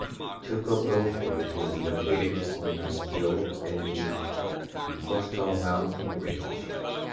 Tucapel fort was located on a hill in the coastal mountain range.